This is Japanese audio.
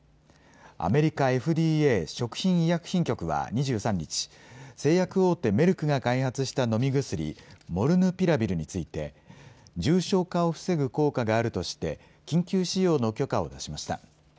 アメリカＦＤＡ・食品医薬品局は２３日、製薬大手、メルクが開発した飲み薬、モルヌピラビルについて、重症化を防ぐ効果があるとして、緊急使用の許可を出しました。